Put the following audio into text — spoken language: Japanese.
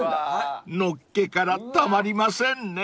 ［のっけからたまりませんね］